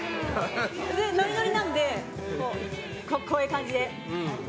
でノリノリなんでこういう感じで。